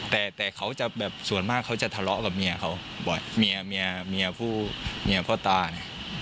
แต่แต่เขาจะแบบส่วนมากเขาจะทะเลาะกับเมียเขาบ่อยเมียเมียผู้เมียพ่อตาเนี่ย